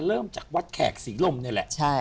เริ่มจากวัดแขกศรีลมนี่แหละ